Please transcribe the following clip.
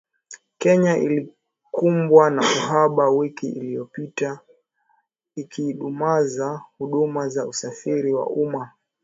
Kenya ilikumbwa na uhaba wiki iliyopita, ikidumaza huduma za usafiri wa umma